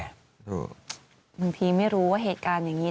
หลังจากนี้ไม่รู้ว่าเหตุการณ์อย่างนี้